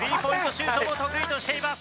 シュートを得意としています。